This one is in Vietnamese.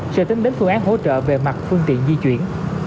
sẽ tính đến phương án hỗ trợ về mặt phương tiện di chuyển